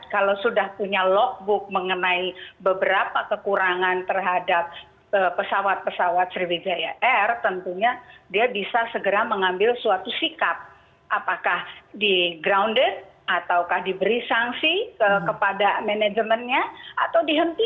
kalau memang terjadi ketedoran itu